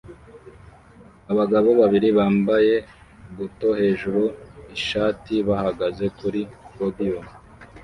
Abagabo babiri bambaye buto hejuru ishati bahagaze kuri podium